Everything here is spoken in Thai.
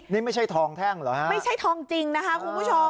นี่ไม่ใช่ทองแท่งเหรอฮะไม่ใช่ทองจริงนะคะคุณผู้ชม